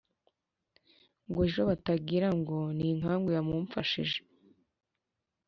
Ngo ejo batagira ngo ni inkangu yamumfashije.